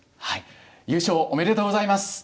はい優勝おめでとうございます。